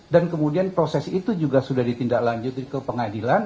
dan kemudian proses itu juga sudah ditindak lanjut ke pengadilan